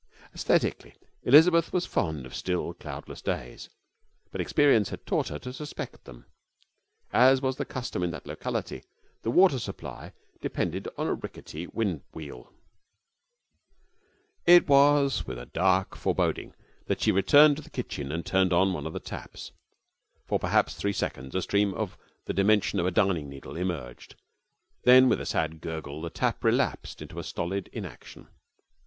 Aesthetically Elizabeth was fond of still, cloudless days, but experience had taught her to suspect them. As was the custom in that locality, the water supply depended on a rickety windwheel. It was with a dark foreboding that she returned to the kitchen and turned on one of the taps. For perhaps three seconds a stream of the dimension of a darning needle emerged, then with a sad gurgle the tap relapsed into a stolid inaction.